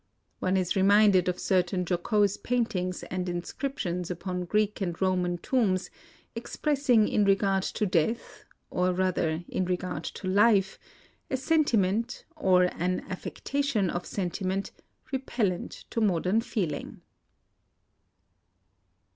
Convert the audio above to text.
One is reminded of certain jocose paintings and inscriptions upon Greek and Roman tombs, expressing in regard to death — or rather in regard to life — a sentiment, or an affectation of sentiment, repellent to modern feeling.